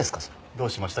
どうしました？